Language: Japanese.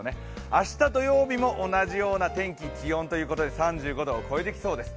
明日土曜日も同じような天気・気温ということで、３５度を超えてきそうです。